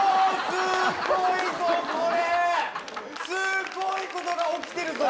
すっごいことが起きてるぞ！